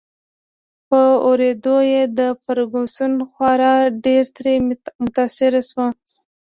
په اوریدو یې فرګوسن خورا ډېر ترې متاثره شوه.